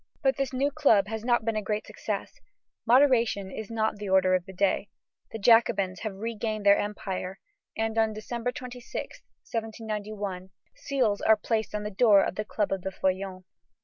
But this new club has not been a great success; moderation is not the order of the day; the Jacobins have regained their empire, and on December 26, 1791, seals are placed on the door of the Club of the Feuillants.